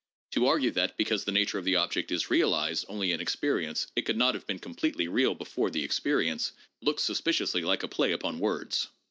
To argue that, because the nature of the object is ' realized ' only in experience, it could not have been completely real before the experience, looks suspiciously like a play upon words.